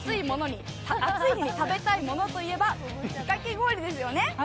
熱い日に食べたいものといえばかき氷ですよね。